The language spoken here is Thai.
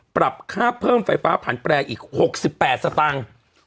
ปรับค่าเพิ่มไฟฟ้าผ่านแปรอีก๖๘สตางค์